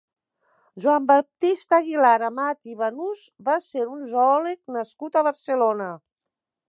Joan Baptista Aguilar-Amat i Banús va ser un zoòleg nascut a Barcelona.